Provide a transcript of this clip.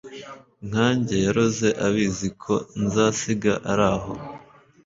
Nkanjye yaroze abizi Ko nzasiga ari aho